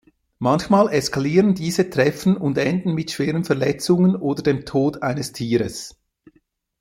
Manchmal eskalieren diese Treffen und enden mit schweren Verletzungen oder dem Tod eines Tieres.